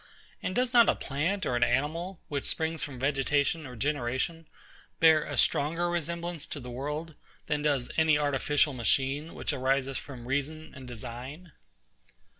And does not a plant or an animal, which springs from vegetation or generation, bear a stronger resemblance to the world, than does any artificial machine, which arises from reason and design?